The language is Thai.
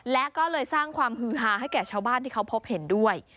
และก็เลยสร้างความฮือฮาให้แก่ชาวบ้านที่เขาพบเห็นด้วย